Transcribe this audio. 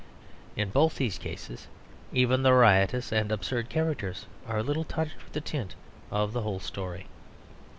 In both these cases even the riotous and absurd characters are a little touched with the tint of the whole story.